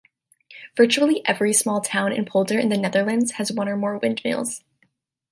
Virtually every small town and polder in the Netherlands has one or more windmills.